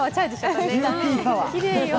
きれいよ。